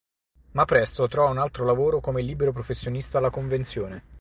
Ma presto trova un altro lavoro come libero professionista alla Convenzione.